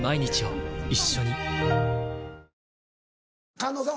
狩野さん